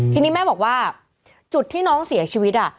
ทีนี้แม่บอกว่าจุดที่น้องเสียชีวิต